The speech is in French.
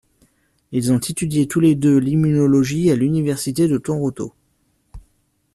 Ils ont étudié tous les deux l'immunologie à l'université de Toronto.